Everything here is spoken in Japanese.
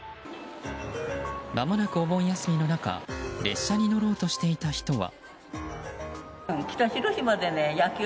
まもなくお盆休みの中列車に乗ろうとしていた人は。